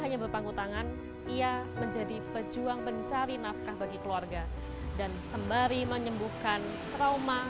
hanya berpangku tangan ia menjadi pejuang mencari nafkah bagi keluarga dan sembari menyembuhkan trauma